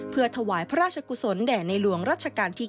เพื่อถวายพระราชกุศลแด่ในหลวงรัชกาลที่๙